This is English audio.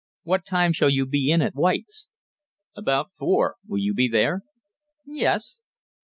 What time shall you be in at White's?" "About four. Will you be there?" "Yes."